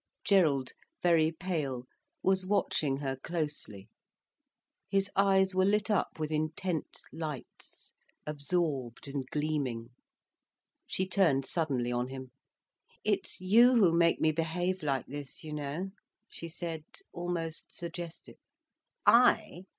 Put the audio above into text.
Gerald, very pale, was watching her closely. His eyes were lit up with intent lights, absorbed and gleaming. She turned suddenly on him. "It's you who make me behave like this, you know," she said, almost suggestive. "I?